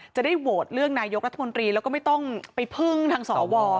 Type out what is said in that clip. จะได้โหวตเลือกนายกรัฐมนตรีแล้วก็ไม่ต้องไปพึ่งทางสว